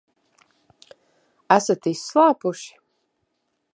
Esat izslāpuši?